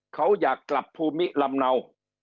เขาอยากกลับภูมิลำเนา